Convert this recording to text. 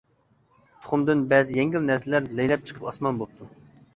تۇخۇمدىن بەزى يەڭگىل نەرسىلەر لەيلەپ چىقىپ ئاسمان بوپتۇ.